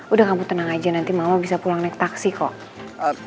udah kamu tenang aja nanti mama bisa pulang naik taksi kok